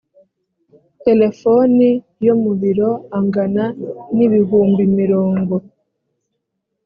telefoni yo mu biro angana n ibihumbi mirongo